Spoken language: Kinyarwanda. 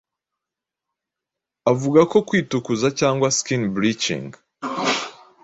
avuga ko kwitukuza cyangwa skin bleaching